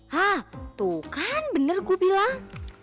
hah tuh kan bener ku bilang